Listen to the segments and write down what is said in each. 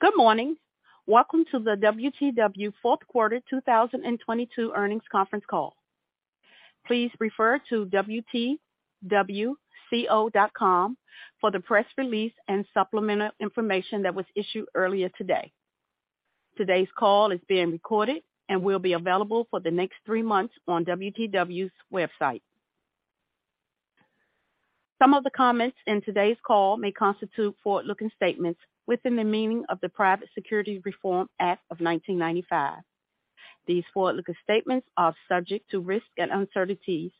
Good morning. Welcome to the WTW fourth quarter 2022 earnings conference call. Please refer to wtwco.com for the press release and supplemental information that was issued earlier today. Today's call is being recorded and will be available for the next three months on WTW's website. Some of the comments in today's call may constitute forward-looking statements within the meaning of the Private Securities Reform Act of 1995. These forward-looking statements are subject to risks and uncertainties.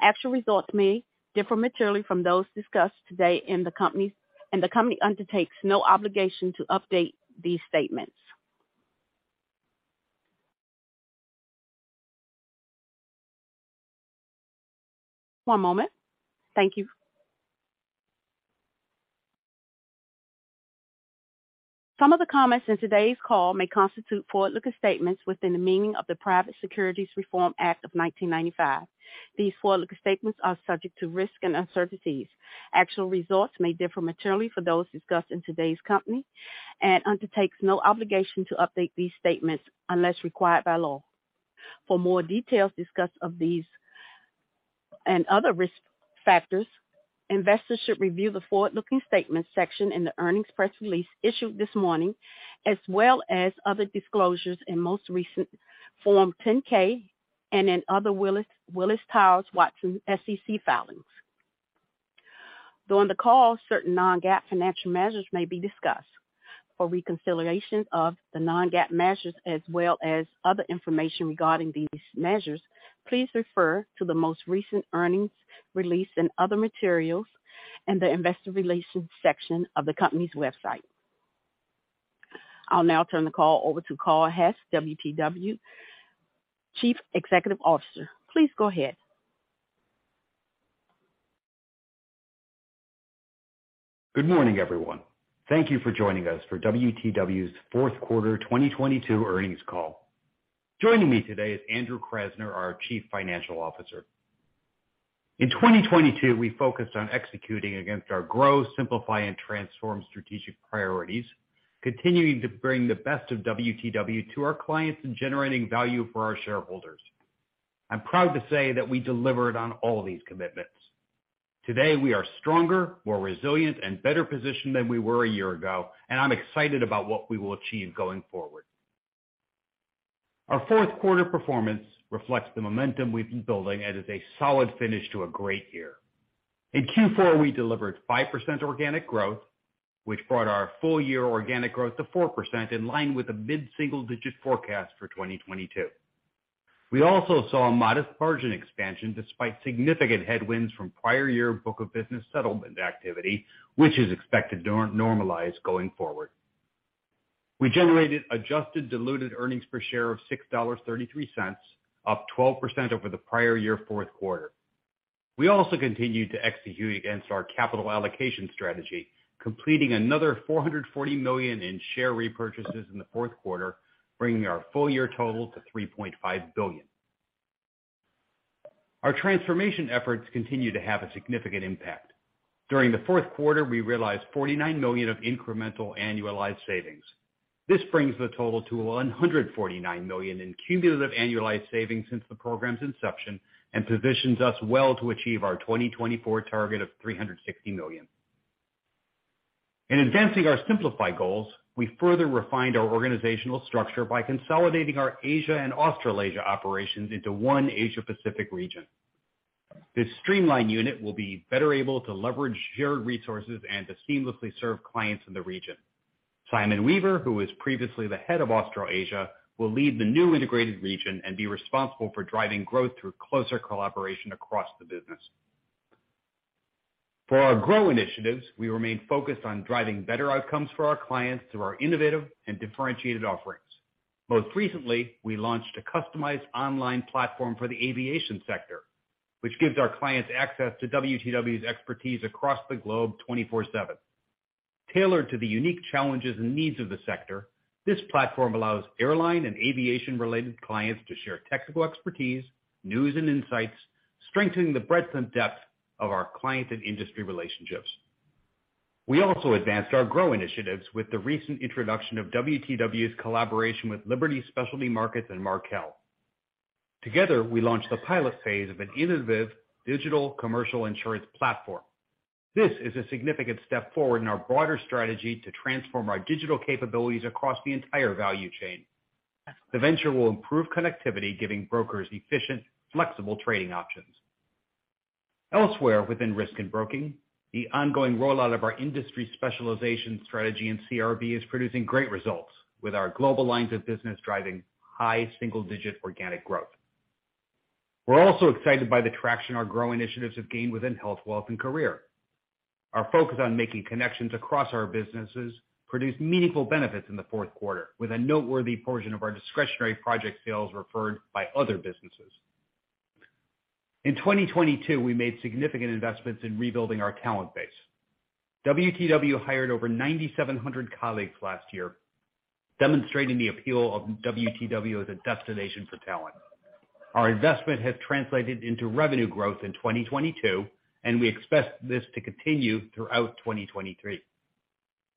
Actual results may differ materially from those discussed today and the company undertakes no obligation to update these statements. One moment. Thank you. Some of the comments in today's call may constitute forward-looking statements within the meaning of the Private Securities Reform Act of 1995. These forward-looking statements are subject to risk and uncertainties. Actual results may differ materially for those discussed in today's company and undertakes no obligation to update these statements unless required by law. For more details discussed of these and other risk factors, investors should review the forward-looking statements section in the earnings press release issued this morning, as well as other disclosures in most recent Form 10-K and in other Willis Towers Watson SEC filings. During the call, certain non-GAAP financial measures may be discussed. For reconciliation of the non-GAAP measures as well as other information regarding these measures, please refer to the most recent earnings release and other materials in the investor relations section of the company's website. I'll now turn the call over to Carl Hess, WTW Chief Executive Officer. Please go ahead. Good morning, everyone. Thank you for joining us for WTW's fourth quarter 2022 earnings call. Joining me today is Andrew Krasner, our Chief Financial Officer. In 2022 we focused on executing against our growth, simplify, and transform strategic priorities, continuing to bring the best of WTW to our clients and generating value for our shareholders. I'm proud to say that we delivered on all these commitments. Today we are stronger, more resilient, and better positioned than we were a year ago. I'm excited about what we will achieve going forward. Our fourth quarter performance reflects the momentum we've been building and is a solid finish to a great year. In Q4, we delivered 5% organic growth, which brought our full year organic growth to 4%, in line with a mid-single-digit forecast for 2022. We saw a modest margin expansion despite significant headwinds from prior year book of business settlement activity, which is expected to normalize going forward. We generated adjusted diluted earnings per share of $6.33, up 12% over the prior year fourth quarter. We continued to execute against our capital allocation strategy, completing another $440 million in share repurchases in the fourth quarter, bringing our full year total to $3.5 billion. Our transformation efforts continue to have a significant impact. During the fourth quarter, we realized $49 million of incremental annualized savings. This brings the total to $149 million in cumulative annualized savings since the program's inception and positions us well to achieve our 2024 target of $360 million. In advancing our simplify goals, we further refined our organizational structure by consolidating our Asia and Australasia operations into one Asia Pacific region. This streamlined unit will be better able to leverage shared resources and to seamlessly serve clients in the region. Simon Weaver, who was previously the head of Australasia, will lead the new integrated region and be responsible for driving growth through closer collaboration across the business. For our grow initiatives, we remain focused on driving better outcomes for our clients through our innovative and differentiated offerings. Most recently, we launched a customized online platform for the aviation sector, which gives our clients access to WTW's expertise across the globe 24/7. Tailored to the unique challenges and needs of the sector, this platform allows airline and aviation-related clients to share technical expertise, news and insights, strengthening the breadth and depth of our client and industry relationships. We also advanced our grow initiatives with the recent introduction of WTW's collaboration with Liberty Specialty Markets and Markel. Together, we launched the pilot phase of an innovative digital commercial insurance platform. This is a significant step forward in our broader strategy to transform our digital capabilities across the entire value chain. The venture will improve connectivity, giving brokers efficient, flexible trading options. Elsewhere within Risk & Broking, the ongoing rollout of our industry specialization strategy in CRB is producing great results, with our global lines of business driving high single-digit organic growth. We're also excited by the traction our grow initiatives have gained within Health, Wealth & Career. Our focus on making connections across our businesses produced meaningful benefits in the fourth quarter, with a noteworthy portion of our discretionary project sales referred by other businesses. In 2022, we made significant investments in rebuilding our talent base. WTW hired over 9,700 colleagues last year, demonstrating the appeal of WTW as a destination for talent. Our investment has translated into revenue growth in 2022. We expect this to continue throughout 2023.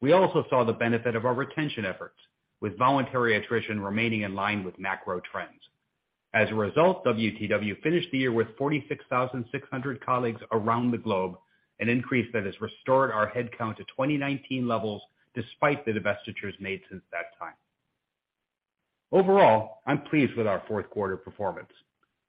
We also saw the benefit of our retention efforts, with voluntary attrition remaining in line with macro trends. As a result, WTW finished the year with 46,600 colleagues around the globe, an increase that has restored our headcount to 2019 levels despite the divestitures made since that time. Overall, I'm pleased with our fourth quarter performance.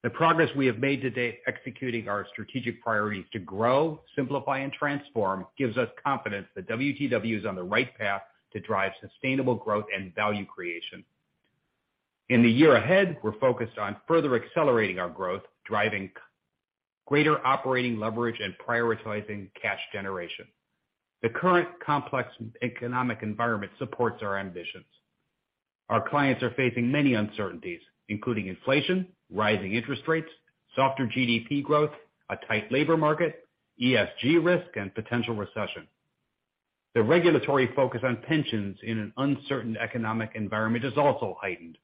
The progress we have made to date executing our strategic priorities to grow, simplify, and transform gives us confidence that WTW is on the right path to drive sustainable growth and value creation. In the year ahead, we're focused on further accelerating our growth, driving greater operating leverage, and prioritizing cash generation. The current complex economic environment supports our ambitions. Our clients are facing many uncertainties, including inflation, rising interest rates, softer GDP growth, a tight labor market, ESG risk, and potential recession. The regulatory focus on pensions in an uncertain economic environment is also heightened.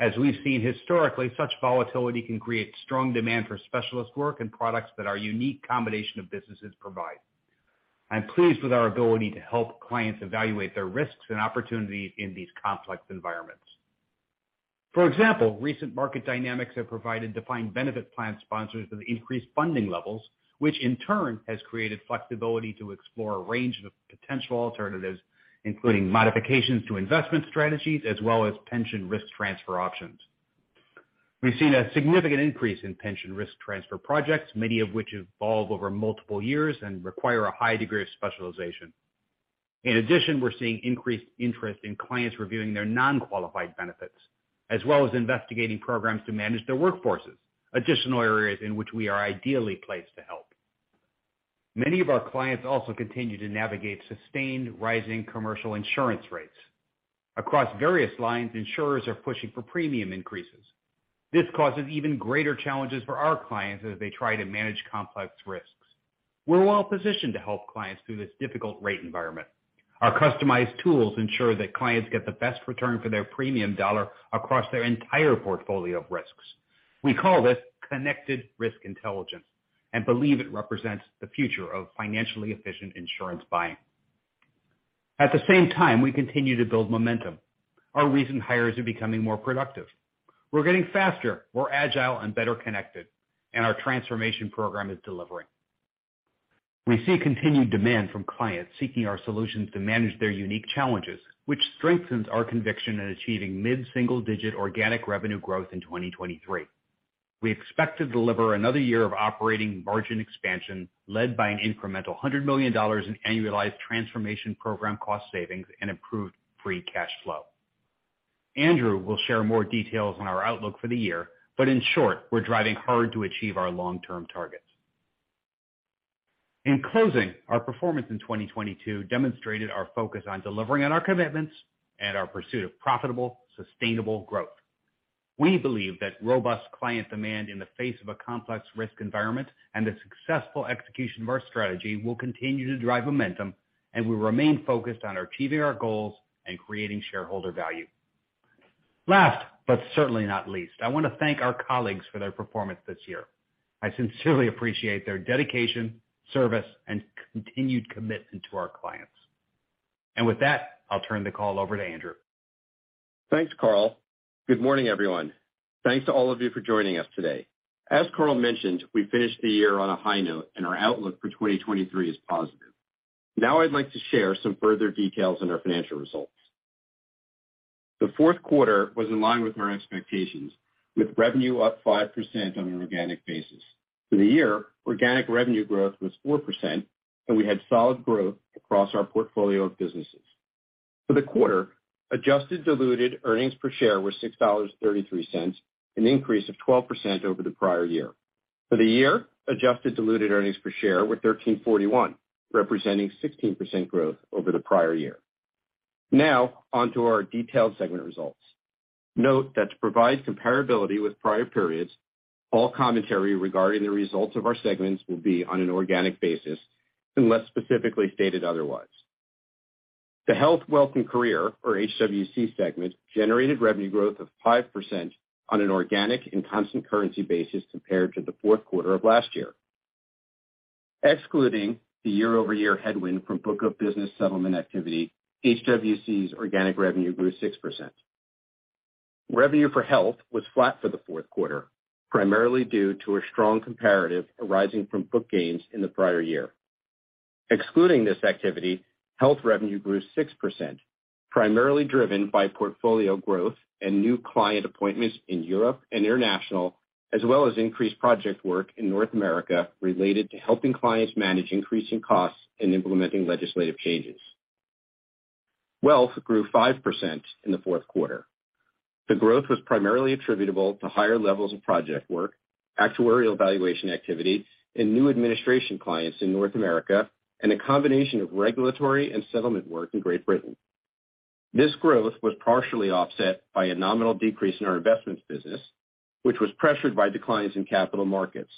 As we've seen historically, such volatility can create strong demand for specialist work and products that our unique combination of businesses provide. I'm pleased with our ability to help clients evaluate their risks and opportunities in these complex environments. For example, recent market dynamics have provided defined benefit plan sponsors with increased funding levels, which in turn has created flexibility to explore a range of potential alternatives, including modifications to investment strategies as well as pension risk transfer options. We've seen a significant increase in pension risk transfer projects, many of which evolve over multiple years and require a high degree of specialization. In addition, we're seeing increased interest in clients reviewing their non-qualified benefits, as well as investigating programs to manage their workforces, additional areas in which we are ideally placed to help. Many of our clients also continue to navigate sustained rising commercial insurance rates. Across various lines, insurers are pushing for premium increases. This causes even greater challenges for our clients as they try to manage complex risks. We're well-positioned to help clients through this difficult rate environment. Our customized tools ensure that clients get the best return for their premium dollar across their entire portfolio of risks. We call this Connected Risk Intelligence and believe it represents the future of financially efficient insurance buying. At the same time, we continue to build momentum. Our recent hires are becoming more productive. We're getting faster, more agile, and better connected, and our transformation program is delivering. We see continued demand from clients seeking our solutions to manage their unique challenges, which strengthens our conviction in achieving mid-single-digit organic revenue growth in 2023. We expect to deliver another year of operating margin expansion led by an incremental $100 million in annualized transformation program cost savings and improved free cash flow. Andrew will share more details on our outlook for the year. In short, we're driving hard to achieve our long-term targets. In closing, our performance in 2022 demonstrated our focus on delivering on our commitments and our pursuit of profitable, sustainable growth. We believe that robust client demand in the face of a complex risk environment and the successful execution of our strategy will continue to drive momentum. We remain focused on achieving our goals and creating shareholder value. Last, but certainly not least, I want to thank our colleagues for their performance this year. I sincerely appreciate their dedication, service, and continued commitment to our clients. With that, I'll turn the call over to Andrew Krasner. Thanks, Carl Hess. Good morning, everyone. Thanks to all of you for joining us today. As Carl mentioned, we finished the year on a high note, and our outlook for 2023 is positive. I'd like to share some further details on our financial results. The fourth quarter was in line with our expectations, with revenue up 5% on an organic basis. For the year, organic revenue growth was 4%, and we had solid growth across our portfolio of businesses. For the quarter, adjusted diluted earnings per share were $6.33, an increase of 12% over the prior year. For the year, adjusted diluted earnings per share were $13.41, representing 16% growth over the prior year. Onto our detailed segment results. Note that to provide comparability with prior periods, all commentary regarding the results of our segments will be on an organic basis unless specifically stated otherwise. The Health, Wealth & Career, or HWC segment, generated revenue growth of 5% on an organic and constant currency basis compared to the fourth quarter of last year. Excluding the year-over-year headwind from book of business settlement activity, HWC's organic revenue grew 6%. Revenue for Health was flat for the fourth quarter, primarily due to a strong comparative arising from book gains in the prior year. Excluding this activity, health revenue grew 6%, primarily driven by portfolio growth and new client appointments in Europe and International, as well as increased project work in North America related to helping clients manage increasing costs and implementing legislative changes. Wealth grew 5% in the fourth quarter. The growth was primarily attributable to higher levels of project work, actuarial evaluation activity, and new administration clients in North America, and a combination of regulatory and settlement work in Great Britain. This growth was partially offset by a nominal decrease in our investments business, which was pressured by declines in capital markets,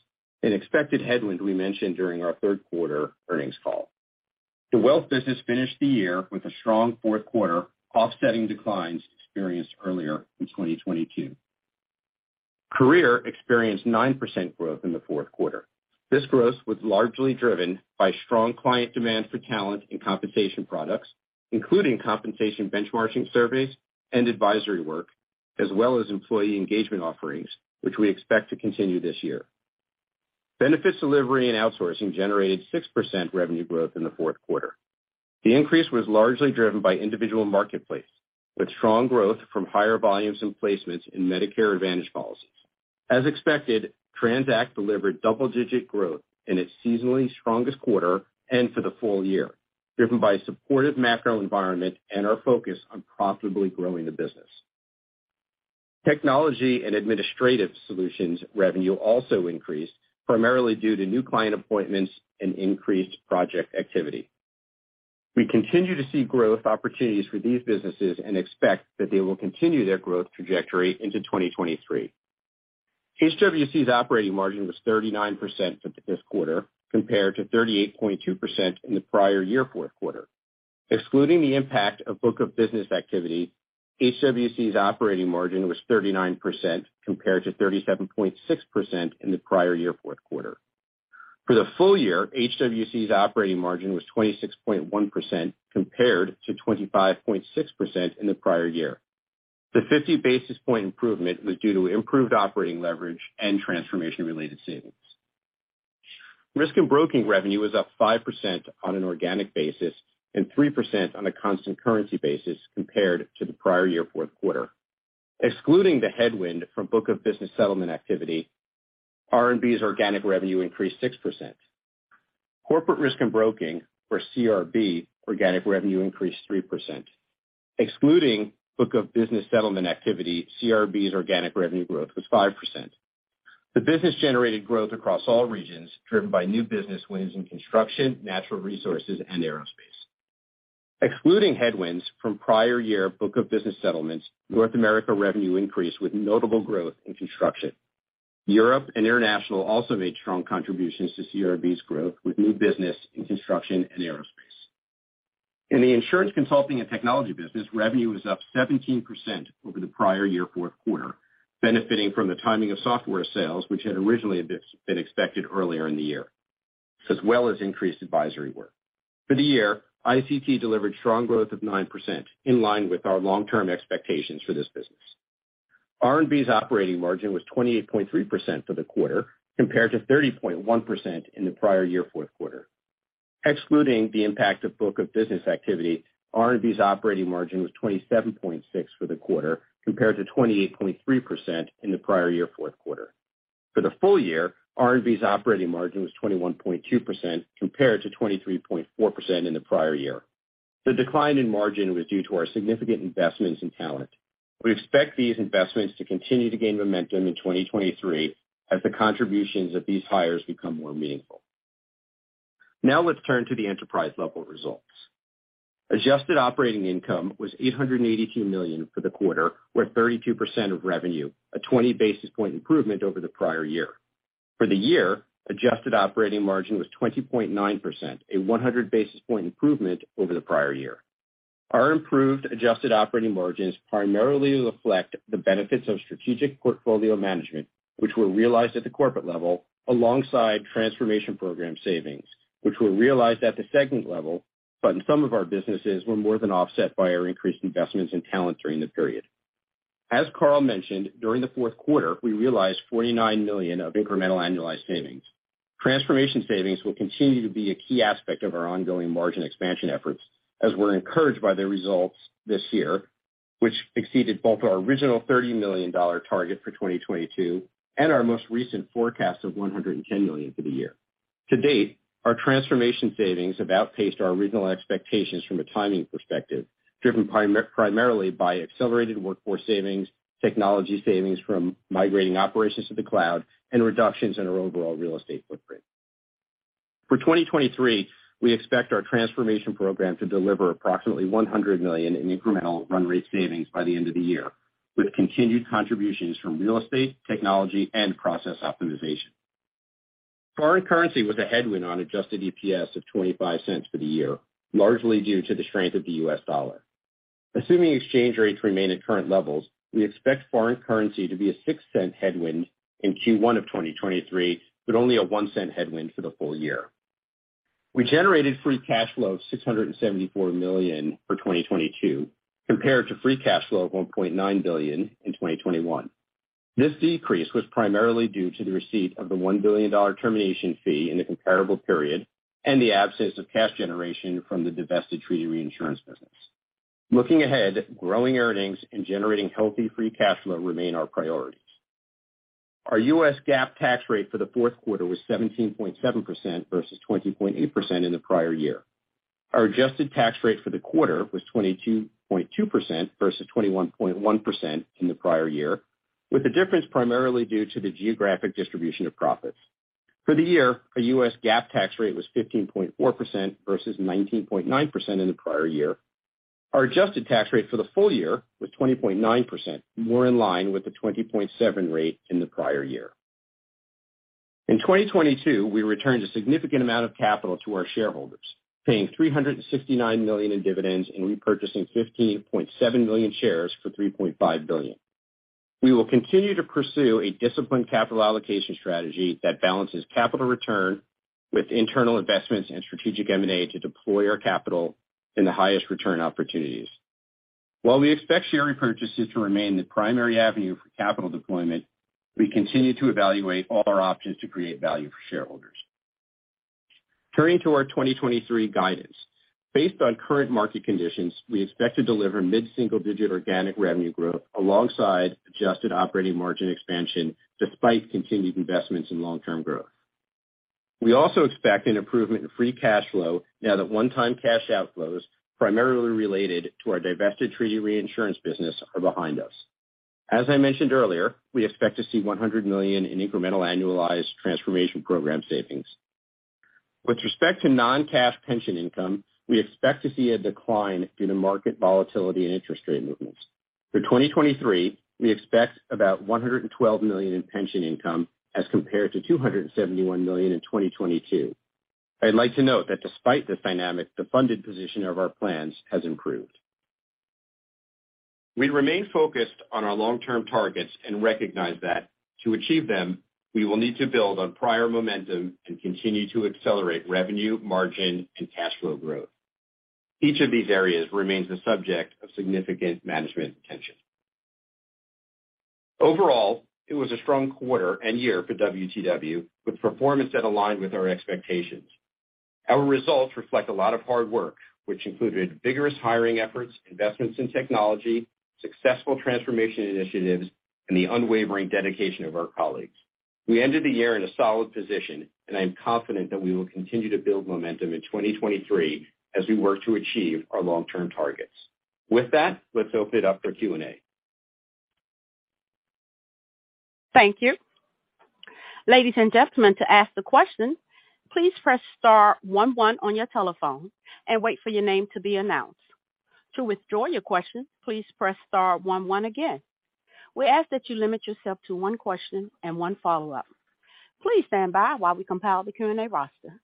an expected headwind we mentioned during our third quarter earnings call. The wealth business finished the year with a strong fourth quarter, offsetting declines experienced earlier in 2022. Career experienced 9% growth in the fourth quarter. This growth was largely driven by strong client demand for talent and compensation products, including compensation benchmarking surveys and advisory work, as well as employee engagement offerings, which we expect to continue this year. Benefits delivery and outsourcing generated 6% revenue growth in the fourth quarter. The increase was largely driven by individual marketplace, with strong growth from higher volumes and placements in Medicare Advantage policies. As expected, TRANZACT delivered double-digit growth in its seasonally strongest quarter and for the full year, driven by a supportive macro environment and our focus on profitably growing the business. Technology and administrative solutions revenue also increased, primarily due to new client appointments and increased project activity. We continue to see growth opportunities for these businesses and expect that they will continue their growth trajectory into 2023. HWC's operating margin was 39% for the fifth quarter compared to 38.2% in the prior year fourth quarter. Excluding the impact of book of business activity, HWC's operating margin was 39% compared to 37.6% in the prior year fourth quarter. For the full year, HWC's operating margin was 26.1% compared to 25.6% in the prior year. The 50 basis point improvement was due to improved operating leverage and transformation-related savings. Risk and broking revenue was up 5% on an organic basis and 3% on a constant currency basis compared to the prior year fourth quarter. Excluding the headwind from book of business settlement activity, RNB's organic revenue increased 6%. Corporate Risk & Broking, or CRB, organic revenue increased 3%. Excluding book of business settlement activity, CRB's organic revenue growth was 5%. The business generated growth across all regions, driven by new business wins in construction, natural resources and aerospace. Excluding headwinds from prior year book of business settlements, North America revenue increased with notable growth in construction. Europe and International also made strong contributions to CRB's growth with new business in construction and aerospace. In the insurance consulting and technology business, revenue was up 17% over the prior year fourth quarter, benefiting from the timing of software sales, which had originally been expected earlier in the year, as well as increased advisory work. For the year, ICT delivered strong growth of 9%, in line with our long-term expectations for this business. RNB's operating margin was 28.3% for the quarter, compared to 30.1% in the prior year fourth quarter. Excluding the impact of book of business activity, RNB's operating margin was 27.6% for the quarter, compared to 28.3% in the prior year fourth quarter. For the full year, RNB's operating margin was 21.2%, compared to 23.4% in the prior year. The decline in margin was due to our significant investments in talent. We expect these investments to continue to gain momentum in 2023 as the contributions of these hires become more meaningful. Let's turn to the enterprise-level results. Adjusted operating income was $882 million for the quarter, or 32% of revenue, a 20 basis points improvement over the prior year. For the year, adjusted operating margin was 20.9%, a 100 basis points improvement over the prior year. Our improved adjusted operating margins primarily reflect the benefits of strategic portfolio management, which were realized at the corporate level alongside transformation program savings, which were realized at the segment level, but in some of our businesses were more than offset by our increased investments in talent during the period. As Carl mentioned, during the fourth quarter, we realized $49 million of incremental annualized savings. Transformation savings will continue to be a key aspect of our ongoing margin expansion efforts, as we're encouraged by the results this year, which exceeded both our original $30 million target for 2022 and our most recent forecast of $110 million for the year. To date, our transformation savings have outpaced our original expectations from a timing perspective, driven primarily by accelerated workforce savings, technology savings from migrating operations to the cloud, and reductions in our overall real estate footprint. For 2023, we expect our transformation program to deliver approximately $100 million in incremental run rate savings by the end of the year, with continued contributions from real estate, technology and process optimization. Foreign currency was a headwind on adjusted EPS of $0.25 for the year, largely due to the strength of the U.S. dollar. Assuming exchange rates remain at current levels, we expect foreign currency to be a $0.06 headwind in Q1 of 2023, but only a $0.01 headwind for the full year. We generated free cash flow of $674 million for 2022, compared to free cash flow of $1.9 billion in 2021. This decrease was primarily due to the receipt of the $1 billion termination fee in the comparable period and the absence of cash generation from the divested treaty reinsurance business. Looking ahead, growing earnings and generating healthy free cash flow remain our priorities. Our U.S. GAAP tax rate for the fourth quarter was 17.7% versus 20.8% in the prior year. Our adjusted tax rate for the quarter was 22.2% versus 21.1% in the prior year, with the difference primarily due to the geographic distribution of profits. For the year, our U.S. GAAP tax rate was 15.4% versus 19.9% in the prior year. Our adjusted tax rate for the full year was 20.9%, more in line with the 20.7 rate in the prior year. In 2022, we returned a significant amount of capital to our shareholders, paying $369 million in dividends and repurchasing 15.7 million shares for $3.5 billion. We will continue to pursue a disciplined capital allocation strategy that balances capital return with internal investments and strategic M&A to deploy our capital in the highest return opportunities. While we expect share repurchases to remain the primary avenue for capital deployment, we continue to evaluate all our options to create value for shareholders. Turning to our 2023 guidance. Based on current market conditions, we expect to deliver mid-single digit organic revenue growth alongside adjusted operating margin expansion despite continued investments in long-term growth. We also expect an improvement in free cash flow now that one-time cash outflows, primarily related to our divested treaty reinsurance business, are behind us. As I mentioned earlier, we expect to see $100 million in incremental annualized transformation program savings. With respect to non-cash pension income, we expect to see a decline due to market volatility and interest rate movements. For 2023, we expect about $112 million in pension income as compared to $271 million in 2022. I'd like to note that despite this dynamic, the funded position of our plans has improved. We remain focused on our long-term targets and recognize that to achieve them, we will need to build on prior momentum and continue to accelerate revenue, margin, and cash flow growth. Each of these areas remains the subject of significant management attention. Overall, it was a strong quarter and year for WTW, with performance that aligned with our expectations. Our results reflect a lot of hard work, which included vigorous hiring efforts, investments in technology, successful transformation initiatives, and the unwavering dedication of our colleagues. We ended the year in a solid position, and I am confident that we will continue to build momentum in 2023 as we work to achieve our long-term targets. With that, let's open it up for Q&A. Thank you. Ladies and gentlemen, to ask the question, please press star one one on your telephone and wait for your name to be announced. To withdraw your question, please press star one one again. We ask that you limit yourself to one question and one follow-up. Please stand by while we compile the Q&A roster.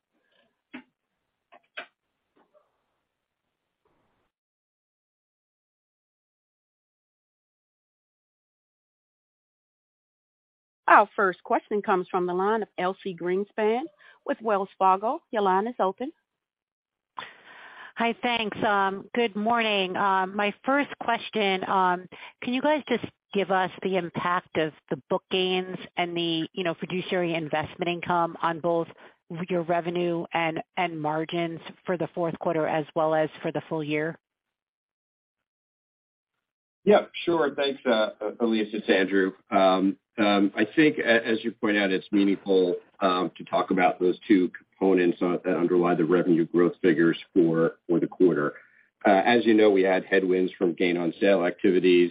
Our first question comes from the line of Elyse Greenspan with Wells Fargo. Your line is open. Hi. Thanks. Good morning. My first question, can you guys just give us the impact of the book gains and the, you know, fiduciary investment income on both your revenue and margins for the fourth quarter as well as for the full year? Yeah, sure. Thanks, Elyse, it's Andrew. I think as you point out, it's meaningful to talk about those two components that underlie the revenue growth figures for the quarter. As you know, we had headwinds from gain on sale activities,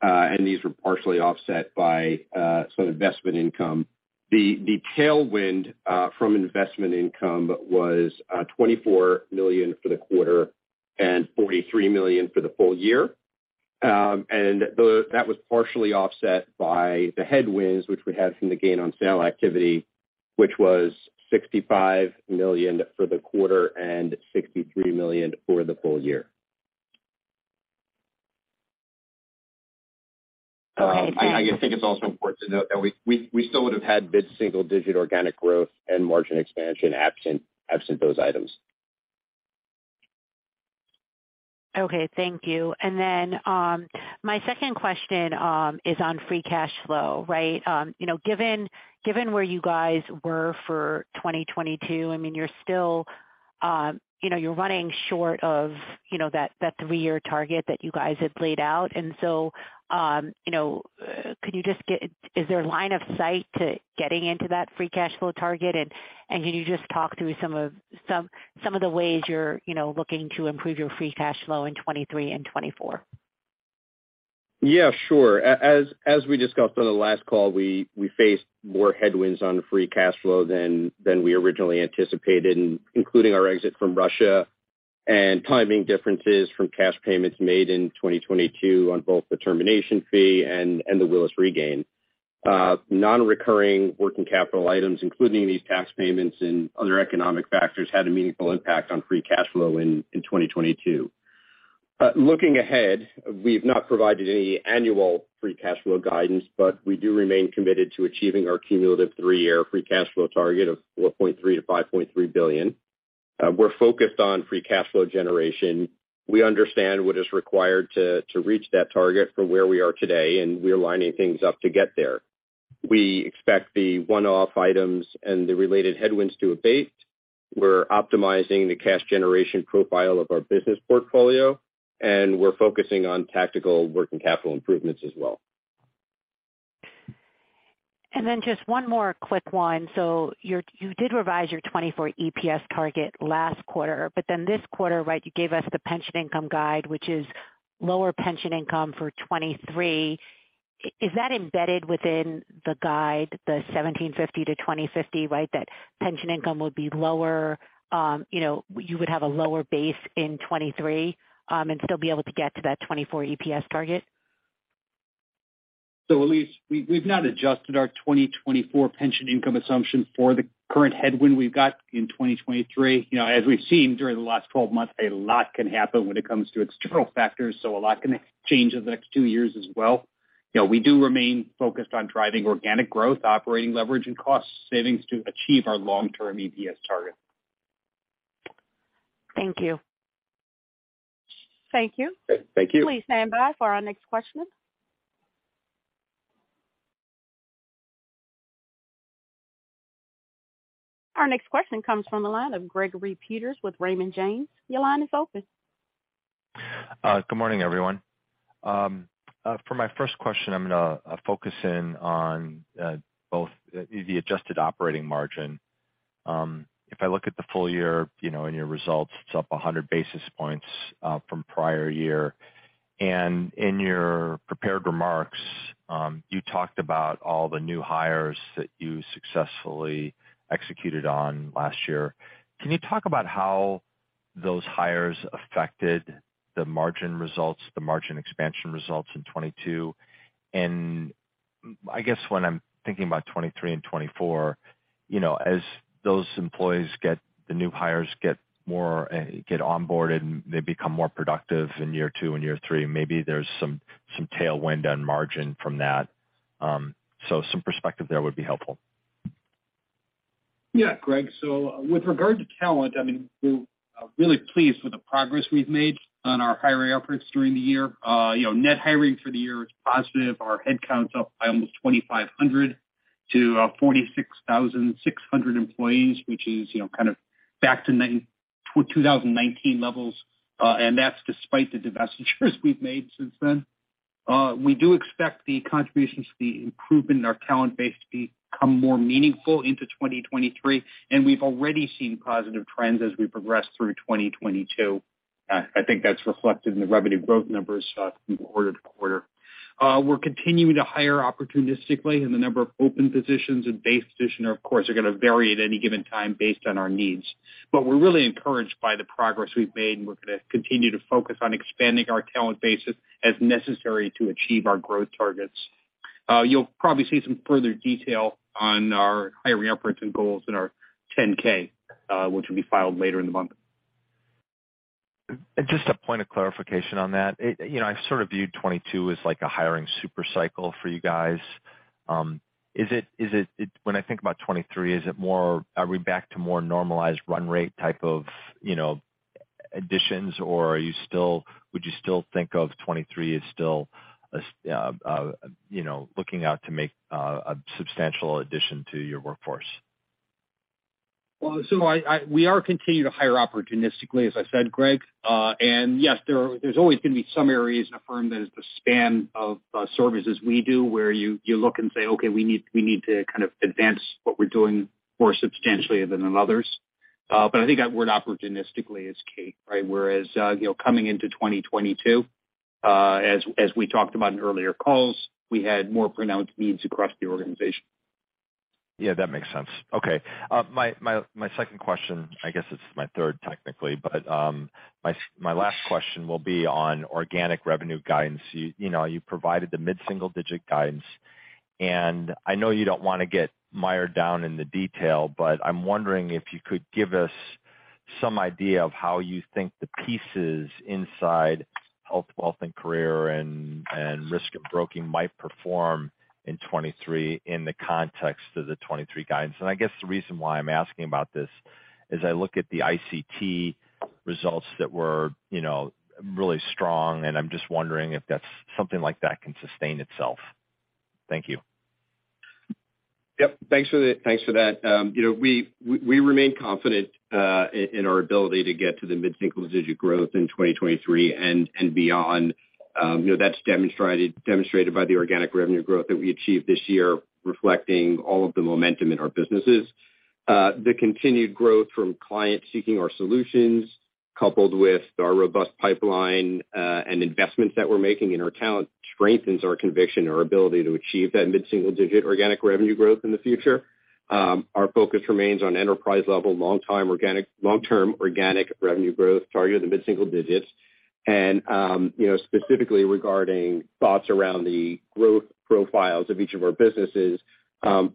and these were partially offset by some investment income. The tailwind from investment income was $24 million for the quarter and $43 million for the full year. That was partially offset by the headwinds which we had from the gain on sale activity, which was $65 million for the quarter and $63 million for the full year. Okay, thank you. I think it's also important to note that we still would have had mid-single digit organic growth and margin expansion absent those items. Okay, thank you. Then, my second question, is on Free Cash Flow, right? You know, given where you guys were for 2022, I mean, you're still, you know, you're running short of, you know, that three year target that you guys had laid out. Is there a line of sight to getting into that free cash flow target? Can you just talk through some of the ways you're, you know, looking to improve your free cash flow in 2023 and 2024? Yeah, sure. As we discussed on the last call, we faced more headwinds on free cash flow than we originally anticipated, including our exit from Russia and timing differences from cash payments made in 2022 on both the termination fee and the Willis Re gain. Non-recurring working capital items, including these tax payments and other economic factors, had a meaningful impact on free cash flow in 2022. Looking ahead, we've not provided any annual free cash flow guidance, but we do remain committed to achieving our cumulative three-year Free Cash Flow target of $4.3 billion-$5.3 billion. We're focused on free cash flow generation. We understand what is required to reach that target from where we are today, and we're lining things up to get there. We expect the one-off items and the related headwinds to abate. We're optimizing the cash generation profile of our business portfolio, and we're focusing on tactical working capital improvements as well. Just one more quick one. You did revise your 2024 EPS target last quarter, but then this quarter, right, you gave us the pension income guide, which is. Lower pension income for 2023, is that embedded within the guide, the $17.50-$20.50, right? That pension income would be lower, you know, you would have a lower base in 2023, and still be able to get to that 2024 EPS target. Elyse, we've not adjusted our 2024 pension income assumption for the current headwind we've got in 2023. You know, as we've seen during the last 12 months, a lot can happen when it comes to external factors. A lot can change in the next two years as well. You know, we do remain focused on driving organic growth, operating leverage, and cost savings to achieve our long-term EPS target. Thank you. Thank you. Thank you. Please stand by for our next question. Our next question comes from the line of Gregory Peters with Raymond James. Your line is open. Good morning, everyone. For my first question, I'm gonna focus in on both the adjusted operating margin. If I look at the full year, you know, and your results, it's up 100 basis points from prior year. In your prepared remarks, you talked about all the new hires that you successfully executed on last year. Can you talk about how those hires affected the margin results, the margin expansion results in 2022? I guess when I'm thinking about 2023 and 2024, you know, as those employees get the new hires, get more, get onboarded, and they become more productive in year two and year three, maybe there's some tailwind on margin from that. Some perspective there would be helpful. Yeah, Greg. With regard to talent, I mean, we're really pleased with the progress we've made on our hiring efforts during the year. You know, net hiring for the year is positive. Our head count's up by almost 2,500 to 46,600 employees, which is, you know, kind of back to 2019 levels. And that's despite the divestitures we've made since then. We do expect the contributions to the improvement in our talent base to become more meaningful into 2023, and we've already seen positive trends as we progress through 2022. I think that's reflected in the revenue growth numbers from quarter to quarter. We're continuing to hire opportunistically, and the number of open positions and base positions, of course, are gonna vary at any given time based on our needs. We're really encouraged by the progress we've made, and we're gonna continue to focus on expanding our talent bases as necessary to achieve our growth targets. You'll probably see some further detail on our hiring efforts and goals in our 10-K, which will be filed later in the month. Just a point of clarification on that. You know, I've sort of viewed 2022 as like a hiring super cycle for you guys. Is it when I think about 2023, is it more are we back to more normalized run rate type of, you know, additions? Would you still think of 2023 as still a you know, looking out to make a substantial addition to your workforce? We are continuing to hire opportunistically, as I said, Greg. Yes, there's always gonna be some areas in a firm that is the span of services we do, where you look and say, "Okay, we need to kind of advance what we're doing more substantially than in others." I think that word opportunistically is key, right? Whereas, you know, coming into 2022, as we talked about in earlier calls, we had more pronounced needs across the organization. Yeah, that makes sense. Okay. My second question, I guess it's my 3rd technically, but my last question will be on organic revenue guidance. You know, you provided the mid-single-digit guidance. I know you don't wanna get mired down in the detail. I'm wondering if you could give us some idea of how you think the pieces inside Health, Wealth & Career and Risk & Broking might perform in 2023 in the context of the 2023 guidance. I guess the reason why I'm asking about this is I look at the ICT results that were, you know, really strong. I'm just wondering if that's something like that can sustain itself. Thank you. Thanks for that. you know, we remain confident in our ability to get to the mid-single-digit growth in 2023 and beyond. you know, that's demonstrated by the organic revenue growth that we achieved this year, reflecting all of the momentum in our businesses. The continued growth from clients seeking our solutions, coupled with our robust pipeline, and investments that we're making in our talent, strengthens our conviction and our ability to achieve that mid-single-digit organic revenue growth in the future. Our focus remains on enterprise-level, long-term organic revenue growth target of the mid-single digits. You know, specifically regarding thoughts around the growth profiles of each of our businesses,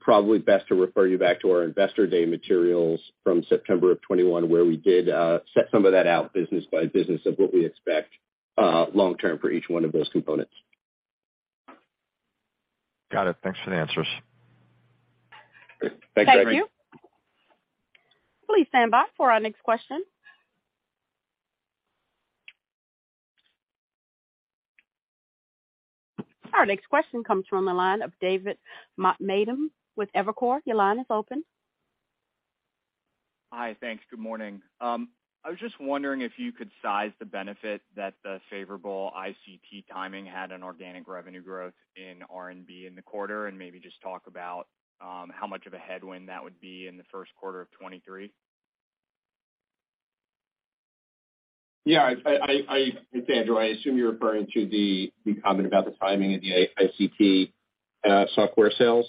probably best to refer you back to our Investor Day materials from September of 2021, where we did set some of that out business by business of what we expect long term for each one of those components. Got it. Thanks for the answers. Thanks, Greg. Thank you. Please stand by for our next question. Our next question comes from the line of David Motemaden with Evercore ISI. Your line is open. Hi. Thanks. Good morning. I was just wondering if you could size the benefit that the favorable ICT timing had on organic revenue growth in RNB in the quarter, and maybe just talk about, how much of a headwind that would be in the first quarter of 2023. Yeah, it's Andrew Krasner. I assume you're referring to the comment about the timing of the I-ICT software sales.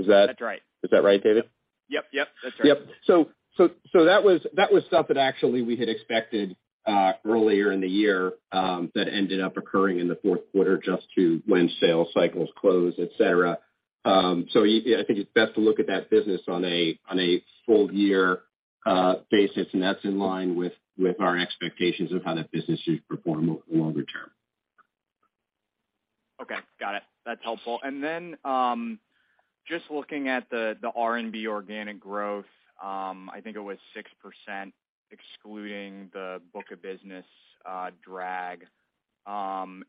Is that? That's right. Is that right, David? Yep. That's right. Yep. That was stuff that actually we had expected earlier in the year that ended up occurring in the fourth quarter just to when sales cycles close, et cetera. I think it's best to look at that business on a full year basis, and that's in line with our expectations of how that business should perform longer term. Okay. Got it. That's helpful. Then, just looking at the RNB organic growth, I think it was 6% excluding the book of business drag. I'm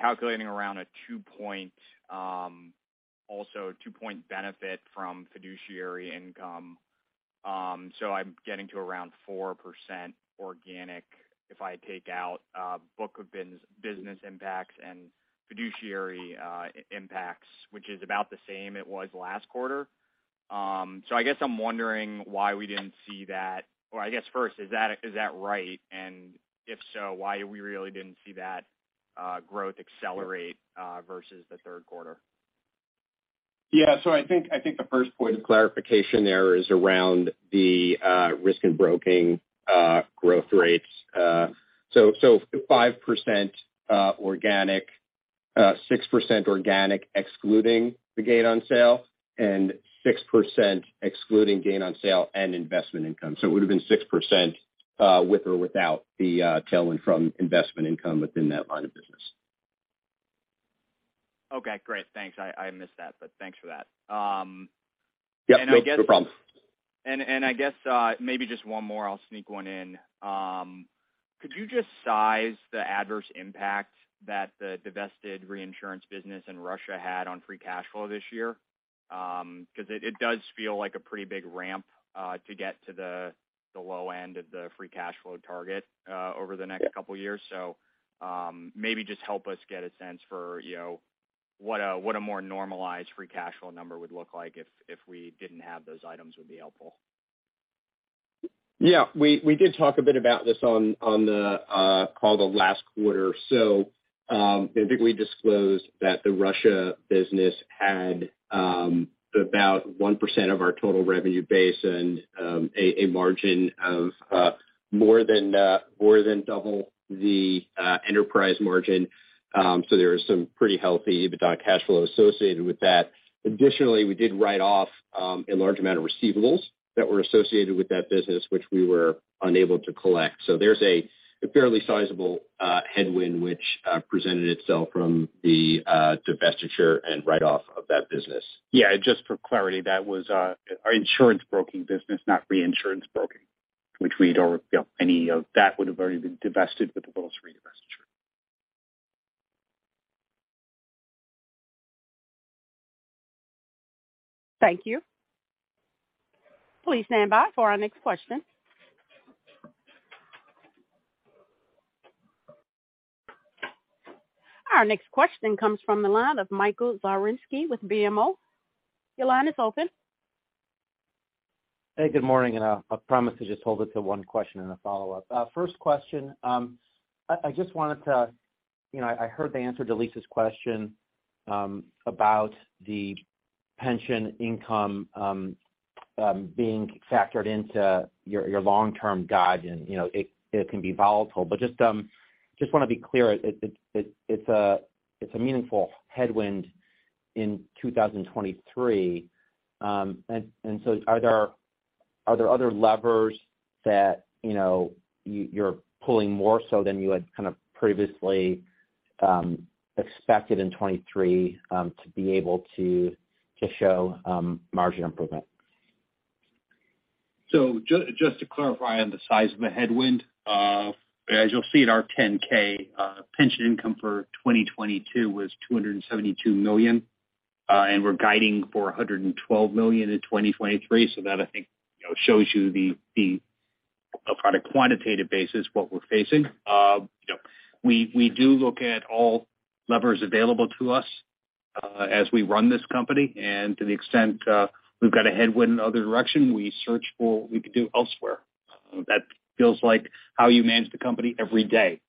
calculating around a 2-point, also 2-point benefit from fiduciary income. I'm getting to around 4% organic if I take out book of business impacts and fiduciary impacts, which is about the same it was last quarter. I guess I'm wondering why we didn't see that... I guess first, is that right? And if so, why we really didn't see that growth accelerate versus the third quarter? Yeah. I think the first point of clarification there is around the Risk & Broking growth rates. So 5% organic, 6% organic excluding the gain on sale, and 6% excluding gain on sale and investment income. It would've been 6% with or without the tailwind from investment income within that line of business. Okay, great. Thanks. I missed that, but thanks for that. Yep. No problem. I guess, maybe just one more. I'll sneak one in. Could you just size the adverse impact that the divested reinsurance business in Russia had on free cash flow this year? 'Cause it does feel like a pretty big ramp to get to the low end of the free cash flow target over the next couple years. Maybe just help us get a sense for, you know, what a more normalized free cash flow number would look like if we didn't have those items would be helpful. Yeah. We did talk a bit about this on the call the last quarter. I think we disclosed that the Russia business had about 1% of our total revenue base and a margin of more than double the enterprise margin. There is some pretty healthy EBITDA cash flow associated with that. Additionally, we did write off a large amount of receivables that were associated with that business, which we were unable to collect. There's a fairly sizable headwind which presented itself from the divestiture and write-off of that business. Yeah, just for clarity, that was, our insurance broking business, not reinsurance broking, which we don't, you know, any of that would've already been divested with the Willis Re divestiture. Thank you. Please stand by for our next question. Our next question comes from the line of Michael Zaremski with BMO Capital Markets. Your line is open. Hey, good morning, I'll, I promise to just hold it to one question and a follow-up. First question, you know, I heard the answer to Elyse's question about the pension income being factored into your long-term guide and, you know, it can be volatile. Just wanna be clear. It's a meaningful headwind in 2023. So are there other levers that, you know, you're pulling more so than you had kind of previously expected in 2023 to be able to show margin improvement? Just to clarify on the size of the headwind, as you'll see in our 10-K, pension income for 2022 was $272 million, and we're guiding for $112 million in 2023. That I think, you know, shows you the on a quantitative basis, what we're facing. You know, we do look at all levers available to us as we run this company. To the extent we've got a headwind in the other direction, we search for what we can do elsewhere. That feels like how you manage the company every day.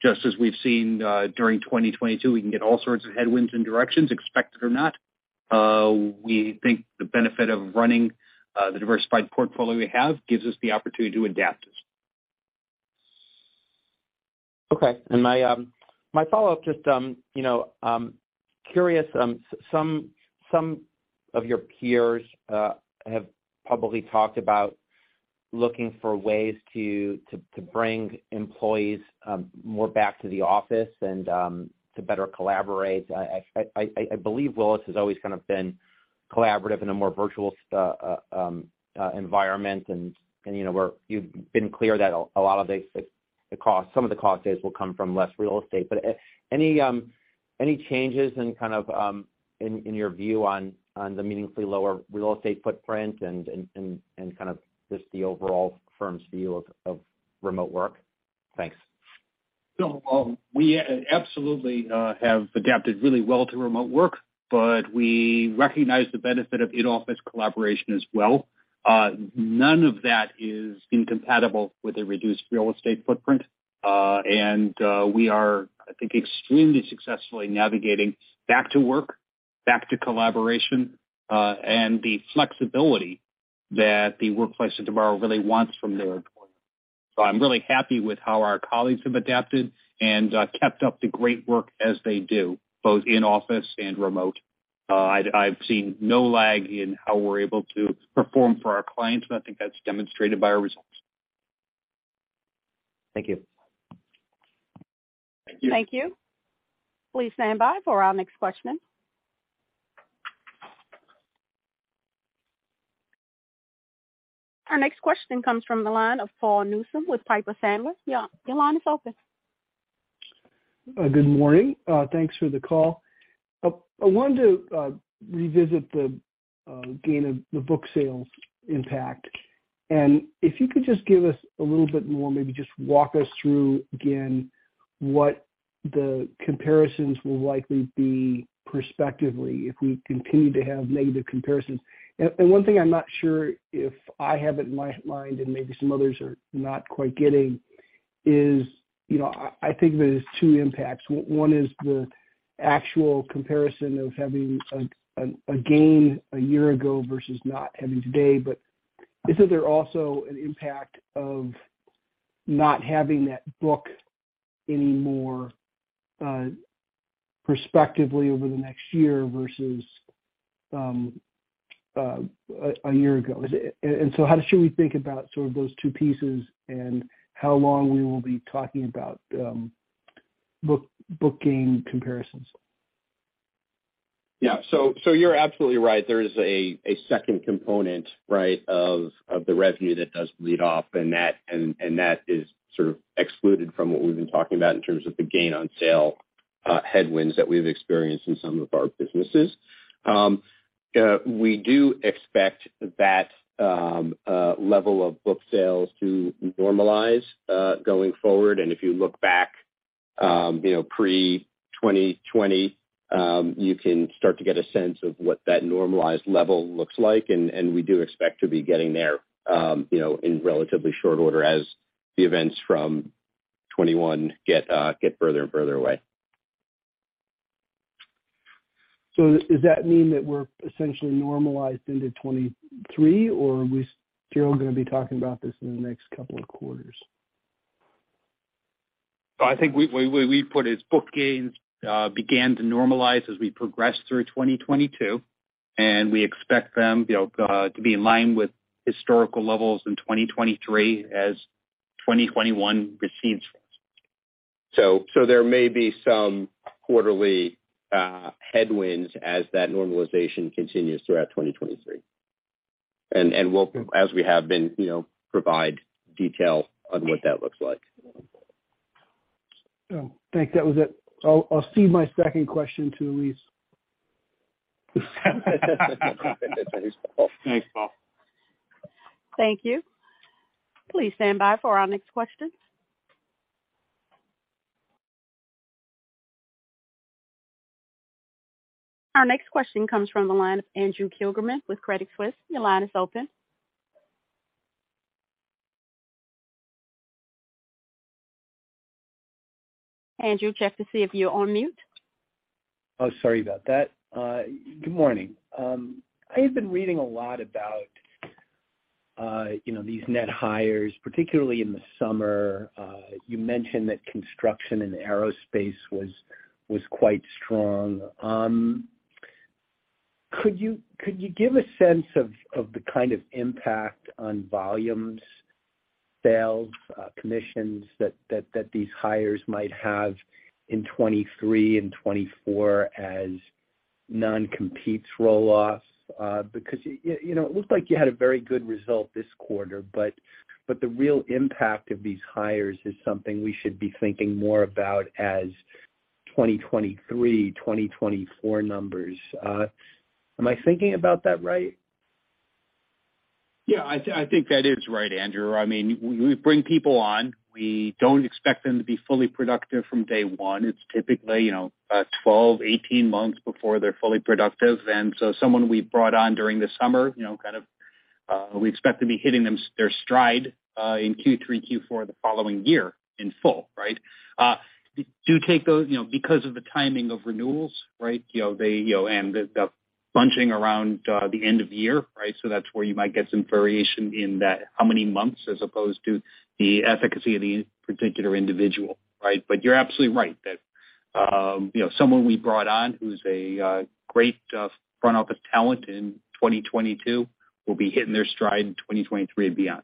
Just as we've seen during 2022, we can get all sorts of headwinds and directions, expected or not. We think the benefit of running the diversified portfolio we have gives us the opportunity to adapt. Okay. My follow-up just, you know, curious. Some of your peers have publicly talked about looking for ways to bring employees more back to the office and to better collaborate. I believe Willis has always kind of been collaborative in a more virtual environment. You know, you've been clear that a lot of the cost, some of the cost saves will come from less real estate. Any changes in kind of in your view on the meaningfully lower real estate footprint and kind of just the overall firm's view of remote work? Thanks. No, we absolutely have adapted really well to remote work, but we recognize the benefit of in-office collaboration as well. None of that is incompatible with a reduced real estate footprint. And we are, I think, extremely successfully navigating back to work, back to collaboration, and the flexibility that the workplace of tomorrow really wants from their employees. I'm really happy with how our colleagues have adapted and kept up the great work as they do, both in office and remote. I've seen no lag in how we're able to perform for our clients, and I think that's demonstrated by our results. Thank you. Thank you. Thank you. Please stand by for our next question. Our next question comes from the line of Paul Newsome with Piper Sandler. Your line is open. Good morning. Thanks for the call. I wanted to revisit the gain of the book sales impact. If you could just give us a little bit more, maybe just walk us through again what the comparisons will likely be prospectively if we continue to have negative comparisons. One thing I'm not sure if I have it in my mind, and maybe some others are not quite getting is, you know, I think there's two impacts. One is the actual comparison of having a gain a year ago versus not having today. Isn't there also an impact of not having that book anymore, prospectively over the next year versus a year ago? Is it? How should we think about sort of those two pieces and how long we will be talking about, book gain comparisons? Yeah. You're absolutely right. There is a second component, right, of the revenue that does bleed off. That is sort of excluded from what we've been talking about in terms of the gain on sale headwinds that we've experienced in some of our businesses. We do expect that level of book sales to normalize going forward. If you look back, you know, pre-2020, you can start to get a sense of what that normalized level looks like. We do expect to be getting there, you know, in relatively short order as the events from 2021 get further and further away. Does that mean that we're essentially normalized into 2023, or are we still gonna be talking about this in the next couple of quarters? I think we put as book gains began to normalize as we progress through 2022, and we expect them, you know, to be in line with historical levels in 2023 as 2021 recedes. There may be some quarterly headwinds as that normalization continues throughout 2023. We'll, as we have been, you know, provide detail on what that looks like. Oh, I think that was it. I'll cede my second question to Elyse. Thanks, Paul. Thank you. Please stand by for our next question. Our next question comes from the line of Andrew Kligerman with Credit Suisse. Your line is open. Andrew, check to see if you're on mute. Sorry about that. Good morning. I have been reading a lot about, you know, these net hires, particularly in the summer. You mentioned that construction in aerospace was quite strong. Could you give a sense of the kind of impact on volumes, sales, commissions that these hires might have in 2023 and 2024 as non-competes roll off? You know, it looked like you had a very good result this quarter, but the real impact of these hires is something we should be thinking more about as 2023, 2024 numbers. Am I thinking about that right? Yeah, I think that is right, Andrew Kligerman. I mean, when we bring people on, we don't expect them to be fully productive from day 1. It's typically, you know, 12, 18 months before they're fully productive. Someone we brought on during the summer, you know, kind of, we expect to be hitting their stride in Q3, Q4 the following year in full, right? Do take those, you know, because of the timing of renewals, right, you know, they, you know, and the bunching around the end of year, right? That's where you might get some variation in that, how many months as opposed to the efficacy of any particular individual, right? You're absolutely right that, you know, someone we brought on who's a great front office talent in 2022 will be hitting their stride in 2023 and beyond.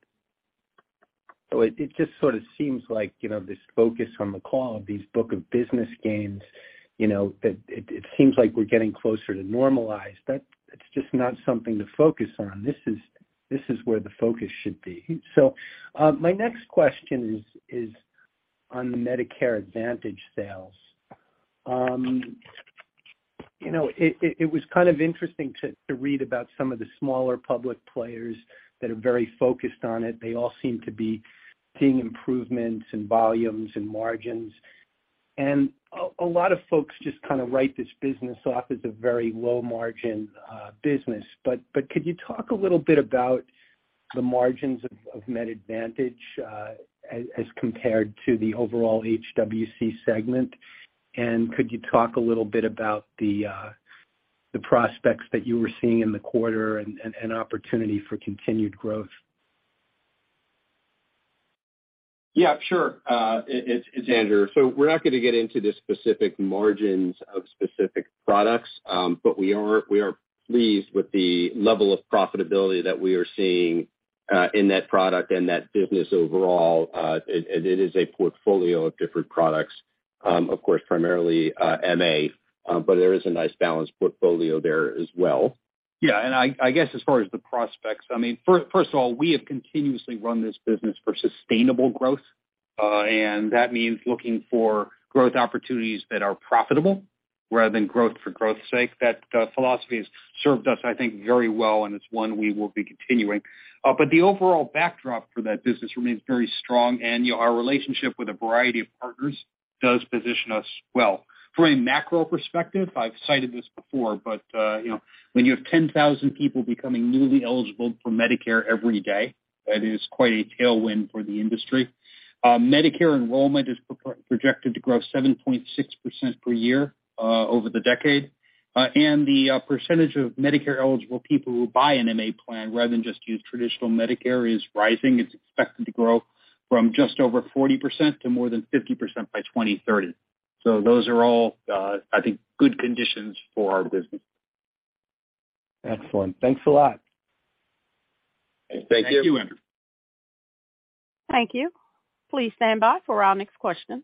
It just sort of seems like, you know, this focus on the call of these book of business gains, you know, that it seems like we're getting closer to normalized. That's just not something to focus on. This is where the focus should be. My next question is on the Medicare Advantage sales. You know, it was kind of interesting to read about some of the smaller public players that are very focused on it. They all seem to be seeing improvements in volumes and margins. A lot of folks just kind of write this business off as a very low margin business. Could you talk a little bit about the margins of Med Advantage as compared to the overall HWC segment? Could you talk a little bit about the prospects that you were seeing in the quarter and opportunity for continued growth? Yeah, sure. It's Andrew. We're not gonna get into the specific margins of specific products, but we are pleased with the level of profitability that we are seeing in that product and that business overall. It is a portfolio of different products, of course, primarily MA, but there is a nice balanced portfolio there as well. I guess as far as the prospects, I mean, first of all, we have continuously run this business for sustainable growth, and that means looking for growth opportunities that are profitable rather than growth for growth's sake. That philosophy has served us, I think, very well, it's one we will be continuing. The overall backdrop for that business remains very strong. Our relationship with a variety of partners does position us well. From a macro perspective, I've cited this before, you know, when you have 10,000 people becoming newly eligible for Medicare every day, that is quite a tailwind for the industry. Medicare enrollment is projected to grow 7.6% per year over the decade. The percentage of Medicare-eligible people who buy an MA plan rather than just use traditional Medicare is rising. It's expected to grow from just over 40% to more than 50% by 2030. Those are all, I think, good conditions for our business. Excellent. Thanks a lot. Thank you. Thank you, Andrew Kligerman. Thank you. Please stand by for our next question.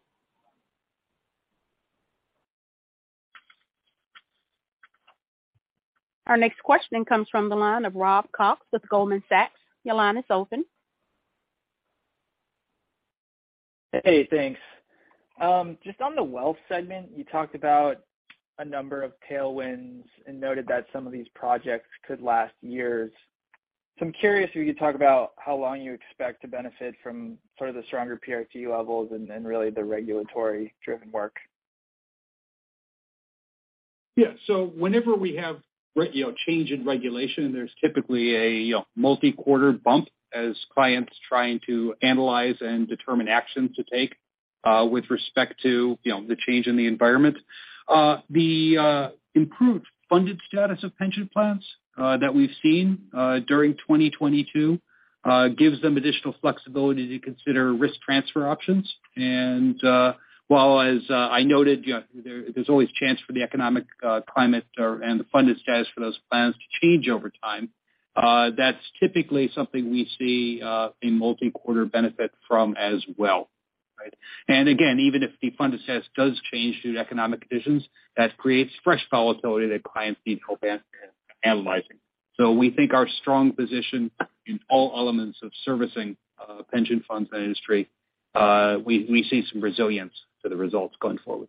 Our next question comes from the line of Rob Cox with Goldman Sachs. Your line is open. Hey, thanks. Just on the wealth segment, you talked about a number of tailwinds and noted that some of these projects could last years. I'm curious if you could talk about how long you expect to benefit from sort of the stronger PRT levels and really the regulatory-driven work? Yeah. Whenever we have, you know, change in regulation, there's typically a, you know, multi-quarter bump as clients trying to analyze and determine actions to take with respect to, you know, the change in the environment. The improved funded status of pension plans that we've seen during 2022 gives them additional flexibility to consider risk transfer options. While as I noted, you know, there's always chance for the economic climate or, and the funded status for those plans to change over time, that's typically something we see a multi-quarter benefit from as well, right? Again, even if the funded status does change due to economic conditions, that creates fresh volatility that clients need help analyzing. We think our strong position in all elements of servicing, pension funds industry, we see some resilience to the results going forward.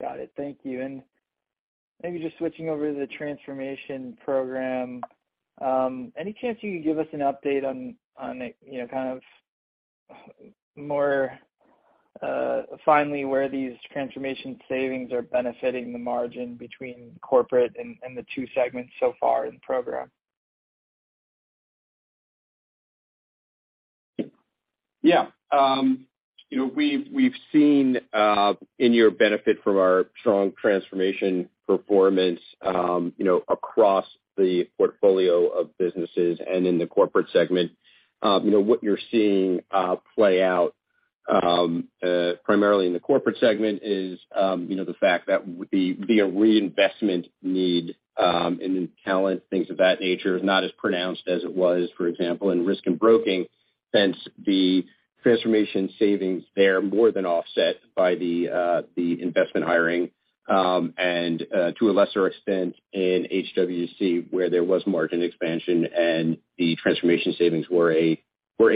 Got it. Thank you. Maybe just switching over to the transformation program, any chance you could give us an update on the, you know, kind of more, finally, where these transformation savings are benefiting the margin between corporate and the two segments so far in the program? Yeah. You know, we've seen in year benefit from our strong transformation performance, you know, across the portfolio of businesses and in the corporate segment. You know, what you're seeing play out primarily in the corporate segment is, you know, the fact that the reinvestment need in talent, things of that nature, is not as pronounced as it was, for example, in Risk & Broking. Since the transformation savings there more than offset by the investment hiring, and to a lesser extent in HWC, where there was margin expansion and the transformation savings were a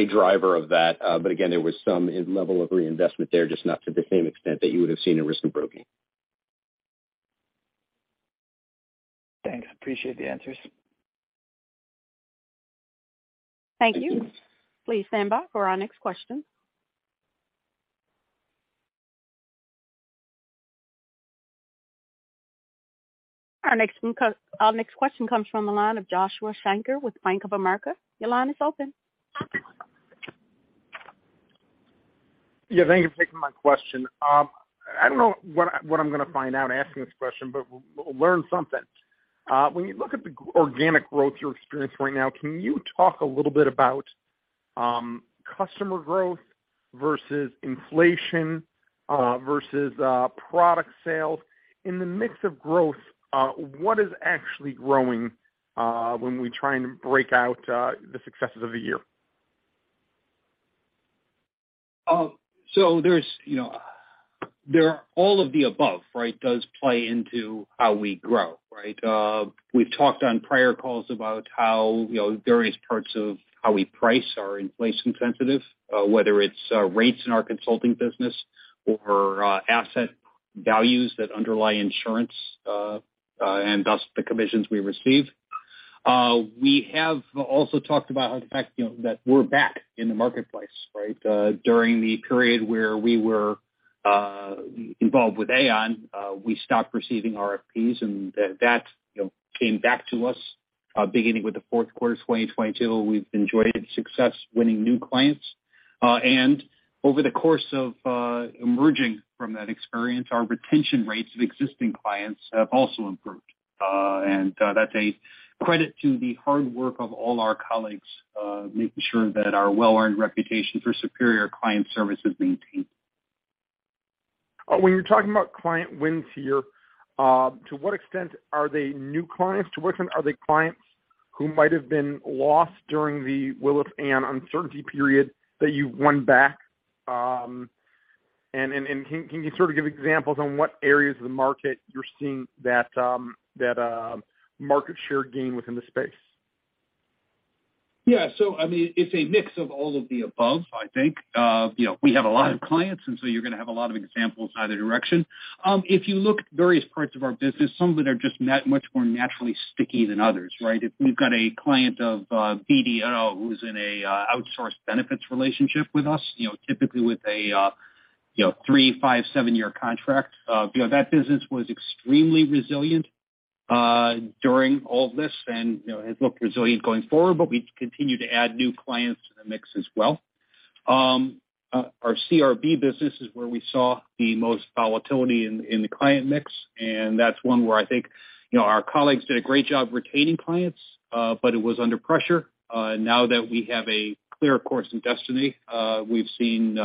driver of that. Again, there was some level of reinvestment there, just not to the same extent that you would have seen in Risk & Broking. Thanks. Appreciate the answers. Thank you. Please stand by for our next question. Our next question comes from the line of Joshua Shanker with Bank of America. Your line is open. Yeah, thank you for taking my question. I don't know what I'm gonna find out asking this question, but we'll learn something. When you look at the organic growth you're experiencing right now, can you talk a little bit about customer growth versus inflation versus product sales? In the mix of growth, what is actually growing when we try and break out the successes of the year? All of the above, right, does play into how we grow, right? We've talked on prior calls about how, you know, various parts of how we price are inflation sensitive, whether it's rates in our consulting business or asset values that underlie insurance, and thus the commissions we receive. We have also talked about the fact, you know, that we're back in the marketplace, right? During the period where we were involved with Aon, we stopped receiving RFPs and that, you know, came back to us beginning with the fourth quarter 2022. We've enjoyed success winning new clients. Over the course of emerging from that experience, our retention rates of existing clients have also improved. That's a credit to the hard work of all our colleagues, making sure that our well-earned reputation for superior client service is maintained. When you're talking about client wins here, to what extent are they new clients? To what extent are they clients who might have been lost during the Willis and Aon uncertainty period that you've won back? Can you sort of give examples on what areas of the market you're seeing that market share gain within the space? Yeah. I mean, it's a mix of all of the above, I think. You know, we have a lot of clients, and so you're gonna have a lot of examples in either direction. If you look at various parts of our business, some of it are just much more naturally sticky than others, right? If we've got a client of, BDO who's in a, outsourced benefits relationship with us, you know, typically with a, you know, three, five, seven year contract, you know, that business was extremely resilient during all of this and, you know, has looked resilient going forward. We continue to add new clients to the mix as well. Our CRB business is where we saw the most volatility in the client mix. That's one where I think, you know, our colleagues did a great job retaining clients, but it was under pressure. Now that we have a clear course and destiny, we've seen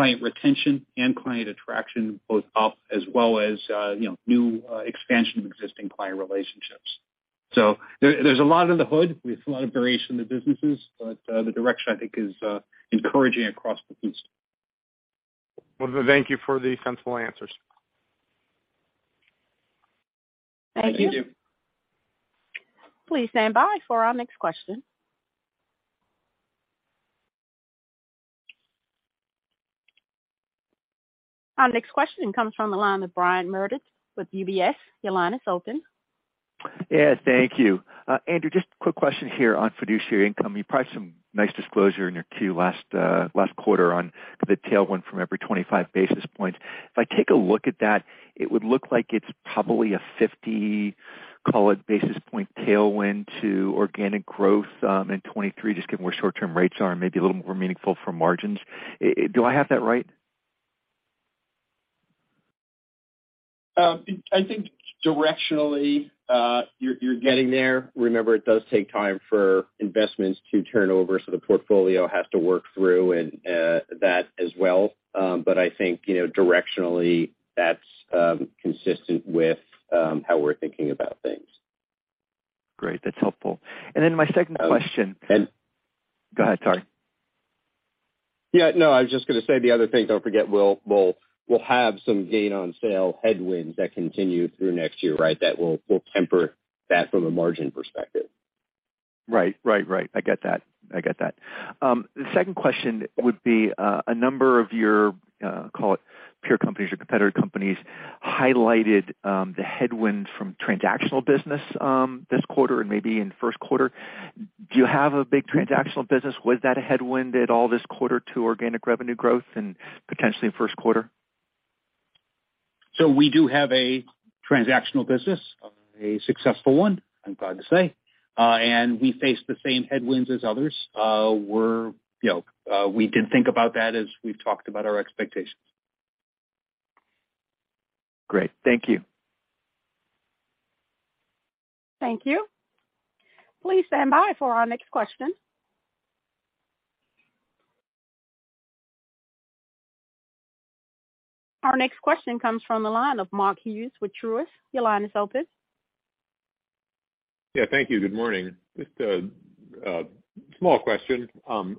client retention and client attraction both up as well as, you know, new expansion of existing client relationships. There's a lot under the hood with a lot of variation in the businesses, but the direction I think is encouraging across the piece. Well, thank you for the sensible answers. Thank you. Please stand by for our next question. Our next question comes from the line with Brian Meredith with UBS. Your line is open. Thank you. Andrew, just a quick question here on fiduciary income. You probably some nice disclosure in your Q last quarter on the tailwind from every 25 basis points. If I take a look at that, it would look like it's probably a 50, call it, basis point tailwind to organic growth, in 2023, just given where short-term rates are and maybe a little more meaningful for margins. Do I have that right? I think directionally, you're getting there. Remember, it does take time for investments to turn over, so the portfolio has to work through and, that as well. I think, you know, directionally that's, consistent with, how we're thinking about things. Great. That's helpful. My second question- And- Go ahead. Sorry. Yeah, no, I was just going to say the other thing, don't forget we'll have some gain on sale headwinds that continue through next year, right? That will temper that from a margin perspective. Right. I get that. I get that. The second question would be, a number of your, call it peer companies or competitor companies highlighted, the headwinds from transactional business, this quarter and maybe in first quarter. Do you have a big transactional business? Was that a headwind at all this quarter to organic revenue growth and potentially in first quarter? We do have a transactional business, a successful one, I'm glad to say. We face the same headwinds as others. We're, you know, we did think about that as we've talked about our expectations. Great. Thank you. Thank you. Please stand by for our next question. Our next question comes from the line of Mark Hughes with Truist Securities. Your line is open. Yeah, thank you. Good morning. Just a small question.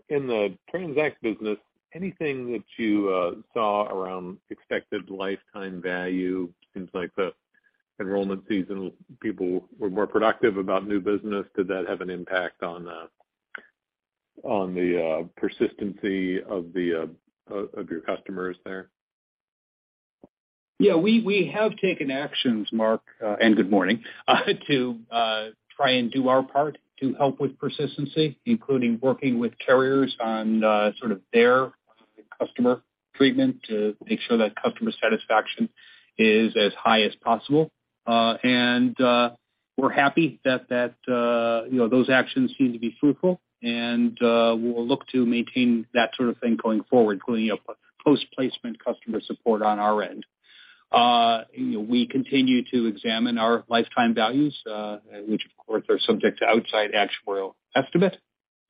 In the TRANZACT business, anything that you saw around expected lifetime value, things like the enrollment season, people were more productive about new business. Did that have an impact on the persistency of your customers there? Yeah, we have taken actions, Mark, good morning, to try and do our part to help with persistency, including working with carriers on sort of their customer treatment to make sure that customer satisfaction is as high as possible. We're happy that, you know, those actions seem to be fruitful, we'll look to maintain that sort of thing going forward, including post-placement customer support on our end. You know, we continue to examine our lifetime values, which of course are subject to outside actuarial estimate.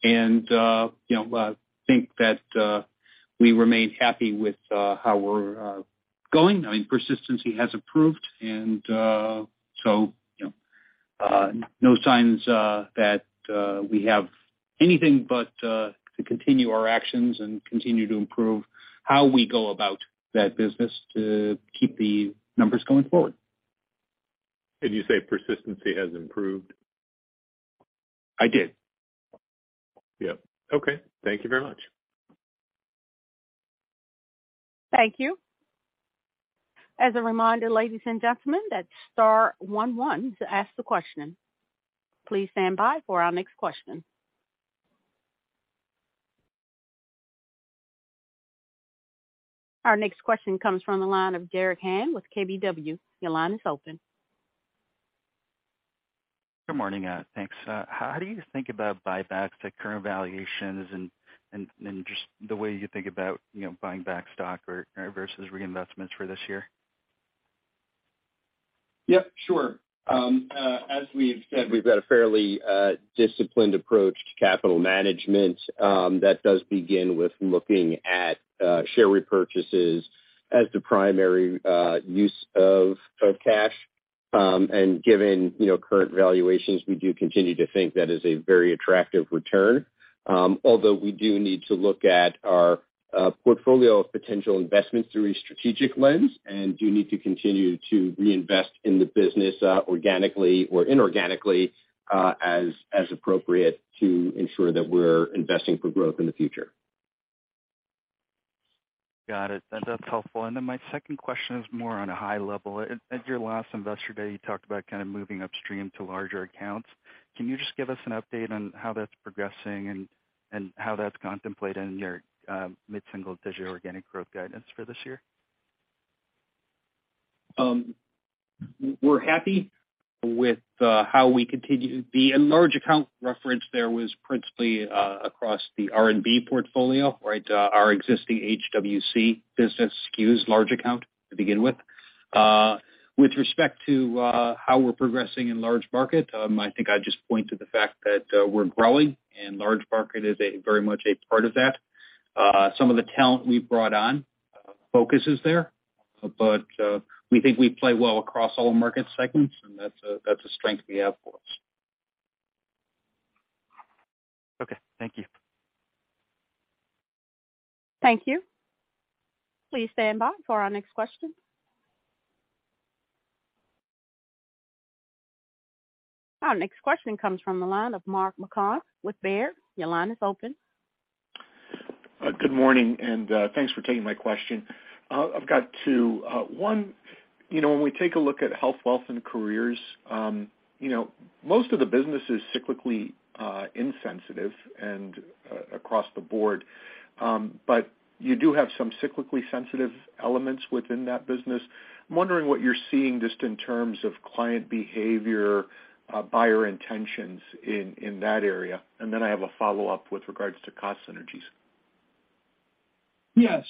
You know, think that we remain happy with how we're going. I mean, persistency has improved and, so, you know, no signs that we have anything but to continue our actions and continue to improve how we go about that business to keep the numbers going forward. Did you say persistency has improved? I did. Okay. Thank you very much. Thank you. As a reminder, ladies and gentlemen, that's star one one to ask the question. Please stand by for our next question. Our next question comes from the line of Derek Han with KBW. Your line is open. Good morning. Thanks. How do you think about buybacks at current valuations and just the way you think about, you know, buying back stock or versus reinvestments for this year? Yep, sure. As we have said, we've got a fairly disciplined approach to capital management, that does begin with looking at share repurchases as the primary use of cash. Given, you know, current valuations, we do continue to think that is a very attractive return. We do need to look at our portfolio of potential investments through a strategic lens, and do need to continue to reinvest in the business, organically or inorganically, as appropriate to ensure that we're investing for growth in the future. Got it. That's helpful. My second question is more on a high level. At your last Investor Day, you talked about kind of moving upstream to larger accounts. Can you just give us an update on how that's progressing and how that's contemplated in your mid-single digit organic growth guidance for this year? We're happy with how we continue... The large account referenced there was principally across the RNB portfolio, right? Our existing HWC business skews large account to begin with. With respect to how we're progressing in large market, I think I'd just point to the fact that we're growing and large market is a very much a part of that. Some of the talent we've brought on focuses there, but we think we play well across all market segments, and that's a strength we have for us. Okay. Thank you. Thank you. Please stand by for our next question. Our next question comes from the line of Mark Marcon with Baird. Your line is open. Good morning and thanks for taking my question. I've got two. One, you know, when we take a look at Health, Wealth & Career, you know, most of the business is cyclically insensitive and across the board. But you do have some cyclically sensitive elements within that business. I'm wondering what you're seeing just in terms of client behavior, buyer intentions in that area. Then I have a follow-up with regards to cost synergies. Yeah.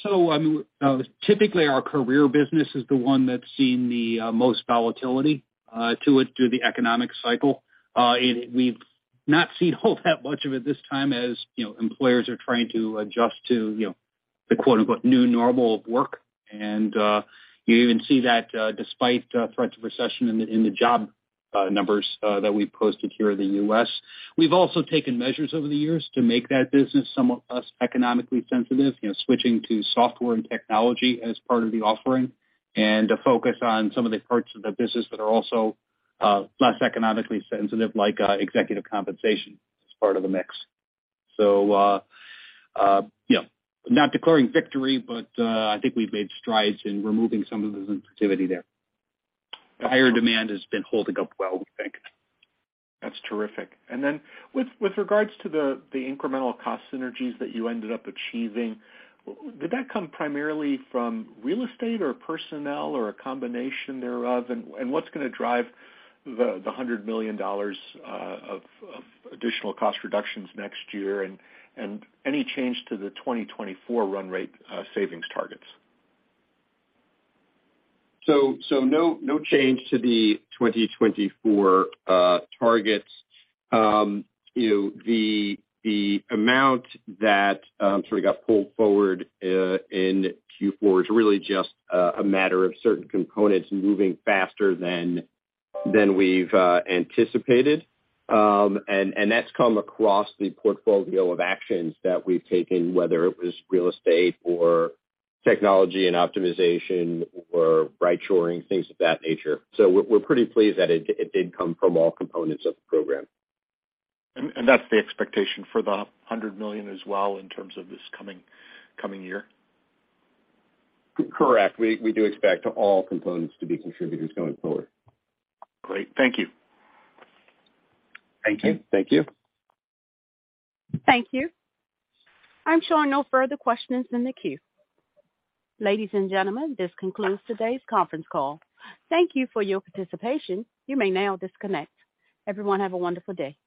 Typically our career business is the one that's seen the most volatility to it through the economic cycle. We've not seen all that much of it this time as, you know, employers are trying to adjust to, you know, the quote-unquote, "new normal of work." You even see that despite threats of recession in the job numbers that we've posted here in the U.S. We've also taken measures over the years to make that business somewhat less economically sensitive. You know, switching to software and technology as part of the offering, and a focus on some of the parts of the business that are also less economically sensitive, like executive compensation as part of the mix. Yeah, not declaring victory, but I think we've made strides in removing some of the sensitivity there. The higher demand has been holding up well, we think. That's terrific. With regards to the incremental cost synergies that you ended up achieving, did that come primarily from real estate or personnel or a combination thereof? What's gonna drive the $100 million of additional cost reductions next year, and any change to the 2024 run rate savings targets? no change to the 2024 targets. you know, the amount that sort of got pulled forward in Q4 is really just a matter of certain components moving faster than we've anticipated. That's come across the portfolio of actions that we've taken, whether it was real estate or technology and optimization or right shoring, things of that nature. we're pretty pleased that it did come from all components of the program. That's the expectation for the $100 million as well in terms of this coming year? Correct. We do expect all components to be contributors going forward. Great. Thank you. Thank you. Thank you. Thank you. I'm showing no further questions in the queue. Ladies and gentlemen, this concludes today's conference call. Thank you for your participation. You may now disconnect. Everyone have a wonderful day.